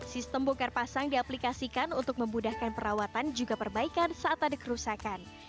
sistem bukar pasang diaplikasikan untuk memudahkan perawatan juga perbaikan saat ada kerusakan